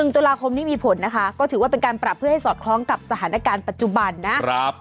๑ตุลาคมนี้มีผลนะคะก็ถือว่าเป็นการปรับเพื่อให้สอดคล้องกับสถานการณ์ปัจจุบันนะ